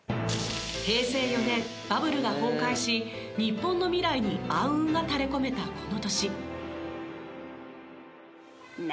平成４年バブルが崩壊し日本の未来に暗雲が垂れ込めたこの年。